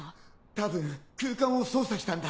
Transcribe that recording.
たぶん空間を操作したんだ。